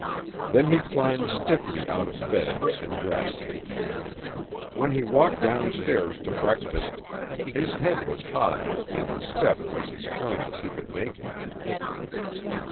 Then he climbed stiffly out of bed and dressed. When he walked downstairs to breakfast, his head was high and his step was as firm as he could make it.